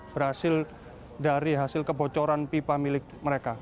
berhasil dari hasil kebocoran pipa milik mereka